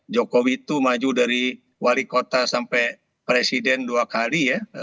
jokowi itu maju dari wali kota sampai presiden dua kali ya